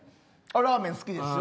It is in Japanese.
ラーメン好きですよ。